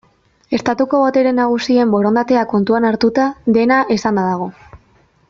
Estatuko botere nagusien borondatea kontuan hartuta, dena esanda dago.